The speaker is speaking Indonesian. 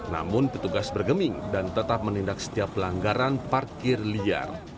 namun petugas bergeming dan tetap menindak setiap pelanggaran parkir liar